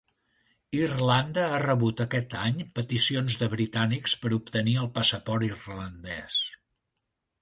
Irlanda ha rebut aquest any peticions de britànics per obtenir el passaport irlandès